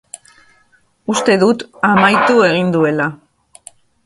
Uste dut amaitu egin duela.